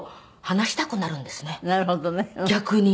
逆に。